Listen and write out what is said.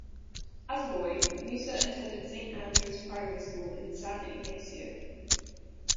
As a boy, Musa attended Saint Andrew's Primary School in San Ignacio.